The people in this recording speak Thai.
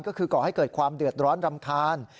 ก็คือก่อให้เกิดความเดือดร้อนรำคาญ